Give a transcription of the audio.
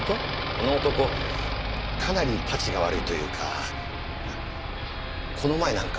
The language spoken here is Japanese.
この男かなりたちが悪いというかこの前なんか。